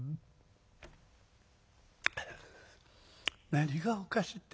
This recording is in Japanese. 「何がおかしいって？